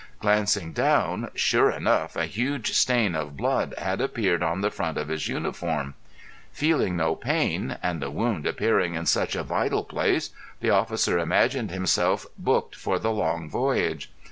Glancing down sure enough a huge stain of blood had appeared on the front of his uniform. Feeling no pain and the wound appearing in such a vital place the officer imagined himself booked for the long voyage.